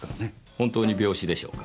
本当に病死でしょうか？